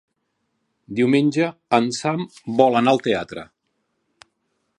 Diumenge en Sam vol anar al teatre.